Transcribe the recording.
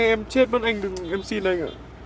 em chết vẫn anh đừng em xin anh ạ